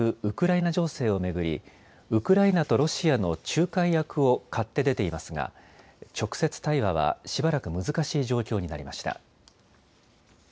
ウクライナ情勢を巡り、ウクライナとロシアの仲介役を買って出ていますが直接対話はしばらく難しい状況になりました。